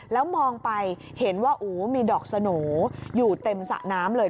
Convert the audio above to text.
แล้วมองไปเห็นว่าอู๋มีดอกสโหน่อยู่เต็มสระน้ำเลย